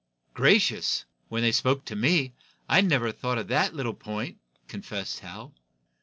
"Gracious! When they spoke to me, I never thought of that little point," confessed Hal.